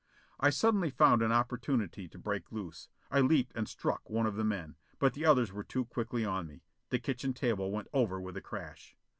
I suddenly found an opportunity to break loose. I leaped and struck one of the men. But the others were too quickly on me. The kitchen table went over with a crash.